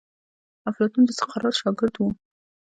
افلاطون د سقراط شاګرد وو.